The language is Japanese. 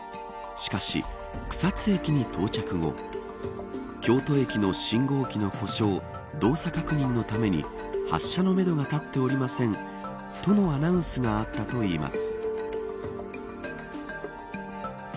しかし、草津駅に到着後京都駅の信号機の故障動作確認のために発車のめどが立っておりませんとのアナウンスがあったといいます。